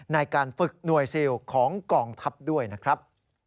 ในการฝึกหน่วยซิลของกองทัพด้วยนะครับ